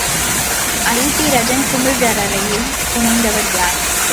Hydrogen குமிழறையைப் புனைந்தவர் யார்?